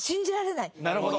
なるほど。